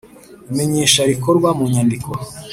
Imenyesha rikorwa mu nyandiko